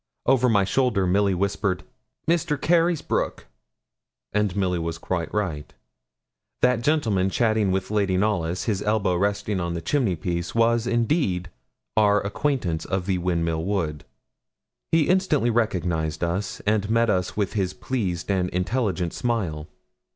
Over my shoulder, Milly whispered 'Mr. Carysbroke.' And Milly was quite right: that gentleman chatting with Lady Knollys, his elbow resting on the chimney piece, was, indeed, our acquaintance of the Windmill Wood. He instantly recognised us, and met us with his pleased and intelligent smile.